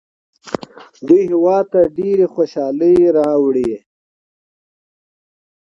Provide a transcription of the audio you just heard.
دوی هیواد ته ډېرې خوشحالۍ راوړي.